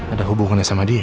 ada hubungannya sama dia